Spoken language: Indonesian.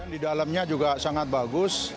di dalamnya juga sangat bagus